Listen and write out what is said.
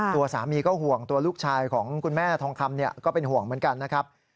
ตัวสามีก็ห่วงตัวลูกชายของคุณแม่ทองคำก็เป็นห่วงเหมือนกันนะครับ